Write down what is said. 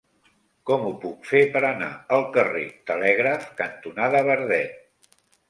Com ho puc fer per anar al carrer Telègraf cantonada Verdet?